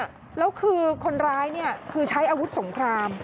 แล้วคือคนร้ายเนี่ยคือใช้อาวุธสงคราม